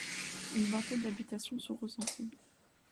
Une vingtaine d'habitations sont recensées.